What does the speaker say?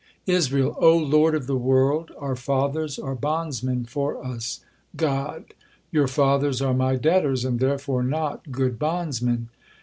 Israel: "O Lord of the world! Our fathers are bondsmen for us." God: "Your fathers are My debtors, and therefore not good bondsmen.